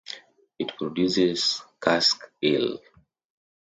It produces cask ale.